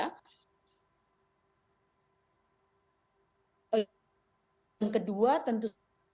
dan kedua tentu